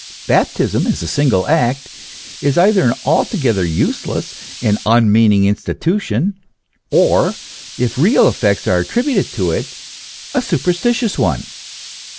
Baptism, as a single act, is either an altogether useless and unmeaning institution, or, if real effects are attributed to it, a superstitious one.